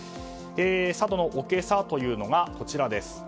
佐渡のおけさというのがこちらです。